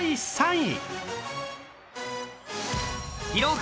３位。